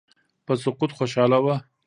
په سقوط خوشاله وه.